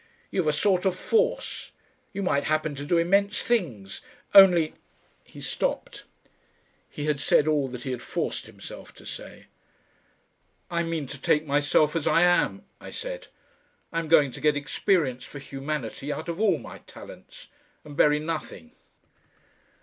You've a sort of force. You might happen to do immense things.... Only " He stopped. He had said all that he had forced himself to say. "I mean to take myself as I am," I said. "I'm going to get experience for humanity out of all my talents and bury nothing."